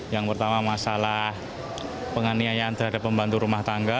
yang pertama masalah penganiayaan terhadap pembantu rumah tangga